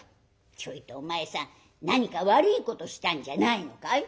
「ちょいとお前さん何か悪いことしたんじゃないのかい？」。